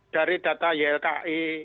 dari data ylki